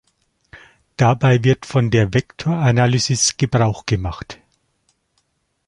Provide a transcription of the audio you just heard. Dabei wird von der Vektoranalysis Gebrauch gemacht.